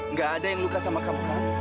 nggak ada yang luka sama kamu kan